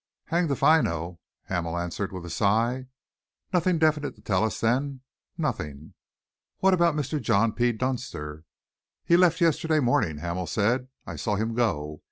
"Hanged if I know!" Hamel answered, with a sigh. "Nothing definite to tell us, then?" "Nothing!" "What about Mr. John P. Dunster?" "He left yesterday morning," Hamel said. "I saw him go.